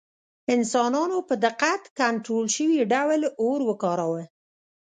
انسانانو په دقت کنټرول شوي ډول اور وکاراوه.